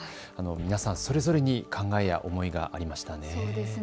皆さんそれぞれに考えや思いがありましたね。